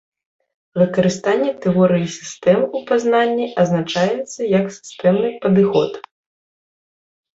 Выкарыстанне тэорыі сістэм у пазнанні азначаецца як сістэмны падыход.